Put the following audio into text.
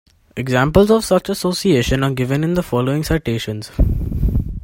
Examples of such association are given in the following citations.